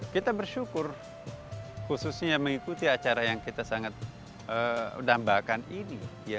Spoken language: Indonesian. kita bersyukur khususnya mengikuti acara yang kita sangat dambakan ini